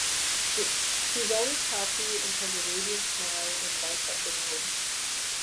She is always happy and has a radiant smile that lights up the room.